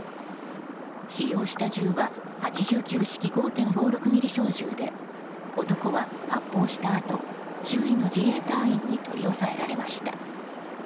使用した銃は８９式５．５６ｍｍ小銃で男は発砲したあと周囲の自衛隊員に取り押さえられました。